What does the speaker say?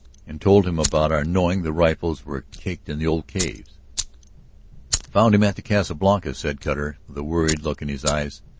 And told him all about our knowing the rifles were cached in the old caves?" "I found him at the Casa Blanca," said Cutter, the worried look in his eyes.